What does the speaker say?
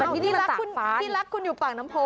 ที่รักคุณอยู่ปากน้ำโพล